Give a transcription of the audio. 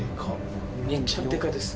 めっちゃでかいです。